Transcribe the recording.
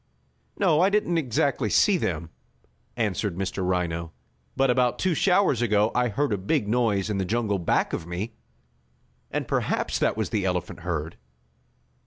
"No, I didn't exactly see them," answered Mr. Rhino, "but about two showers ago I heard a big noise in the jungle back of me, and perhaps that was the elephant herd."